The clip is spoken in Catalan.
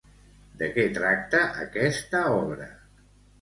De què tracta aquesta obra?